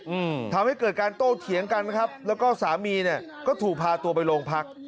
อืมทำให้เกิดการโต้เถียงกันนะครับแล้วก็สามีเนี้ยก็ถูกพาตัวไปโรงพัก